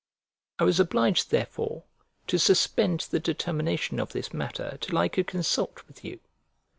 I was obliged therefore to suspend the determination of this matter till I could consult with you.